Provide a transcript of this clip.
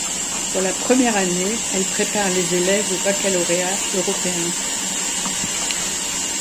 Pour la première année, elle prépare les élèves au baccalauréat européen.